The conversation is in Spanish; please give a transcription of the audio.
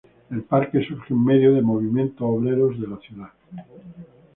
El parque surge en medio de movimientos obreros en la ciudad.